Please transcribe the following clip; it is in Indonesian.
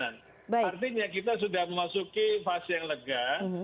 artinya kita sudah memasuki fase yang lega